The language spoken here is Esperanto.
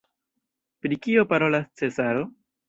Pri kio parolas Cezaro?